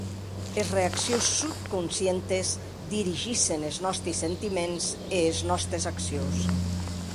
Es reaccions subconscientes dirigissen es nòsti sentiments e es nòstes accions.